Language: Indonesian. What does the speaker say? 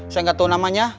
saya gak tau namanya